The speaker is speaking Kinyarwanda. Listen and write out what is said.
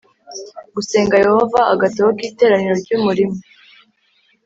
gusenga Yehova Agatabo k Iteraniro ry Umurimo